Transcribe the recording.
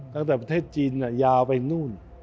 ตั้งแต่ประเทศจีนยาวไปนู่น